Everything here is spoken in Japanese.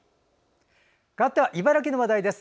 かわっては茨城の話題です。